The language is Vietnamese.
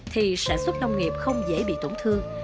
thì sản xuất nông nghiệp không dễ bị tổn thương